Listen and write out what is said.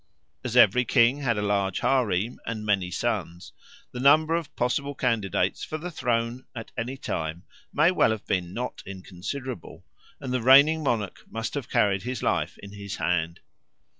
As every king had a large harem and many sons, the number of possible candidates for the throne at any time may well have been not inconsiderable, and the reigning monarch must have carried his life in his hand.